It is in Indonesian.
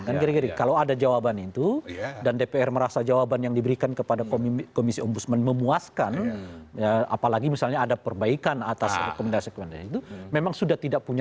kan kira kira kalau ada jawaban itu dan dpr merasa jawaban yang diberikan kepada komisi om busman memuaskan ya apalagi misalnya ada perbaikan atas rekomendasi rekomendasi itu memang sudah tidak punya